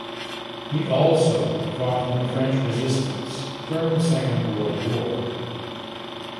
He also fought in the French Resistance during the Second World War.